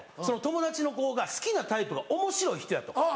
「その友達の子が好きなタイプがおもしろい人や」と。